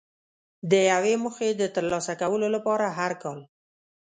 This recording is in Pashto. د یوې موخې د ترلاسه کولو لپاره هر کال.